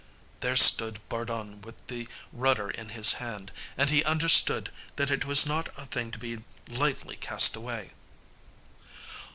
There stood Bardun with the rudder in his hand, and he understood that it was not a thing to be lightly cast away.